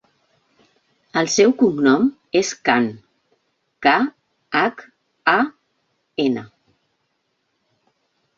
El seu cognom és Khan: ca, hac, a, ena.